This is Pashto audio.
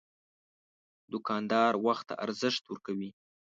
دوکاندار وخت ته ارزښت ورکوي.